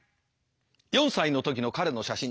４歳の時の彼の写真だ。